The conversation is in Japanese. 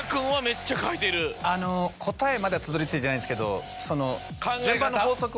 答えまではたどり着いてないんですけど順番の。